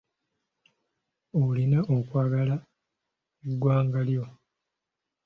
Olina okwagala eggwanga lyo.